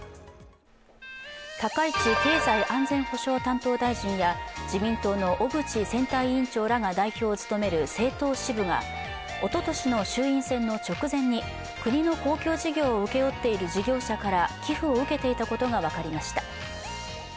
高市経済安全保障担当大臣や自民党の小渕選対委員長らが代表を務める政党支部がおととしの衆院選の直前に国の公共事業を請け負っている事業者から寄付を受けていたことが分かりました。